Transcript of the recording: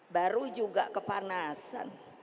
baru juga kepanasan